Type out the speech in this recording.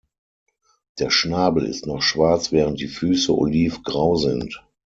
Der Schnabel ist noch schwarz, während die Füße olivgrau sind.